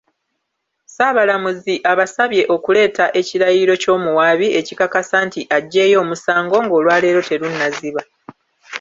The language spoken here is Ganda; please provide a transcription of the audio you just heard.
Ssaabalamuzi abasabye okuleeta ekirayiro ky’omuwaabi ekikakasa nti aggyeeyo omusango ng’olwaleero terunnaziba.